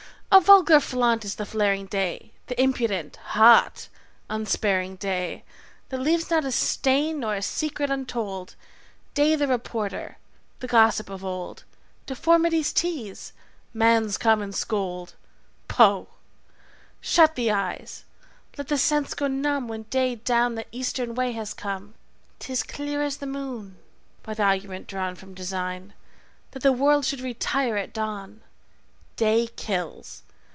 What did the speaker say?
A vulgar flaunt is the flaring day, The impudent, hot, unsparing day, That leaves not a stain nor a secret untold, Day the reporter, the gossip of old, Deformity's tease, man's common scold Poh! Shut the eyes, let the sense go numb When day down the eastern way has come. 'Tis clear as the moon (by the argument drawn From Design) that the world should retire at dawn. Day kills.